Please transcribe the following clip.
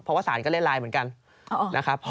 เพราะว่าสารก็เล่นไลน์เหมือนกันนะครับ